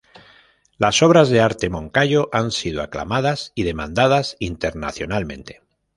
Las obras de arte de Moncayo han sido aclamadas y demandadas internacionalmente.